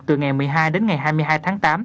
từ ngày một mươi hai đến ngày hai mươi hai tháng tám